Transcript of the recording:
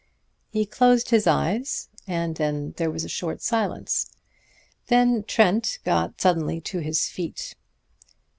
He closed his eyes, and there was a short silence. Then Trent got suddenly to his feet.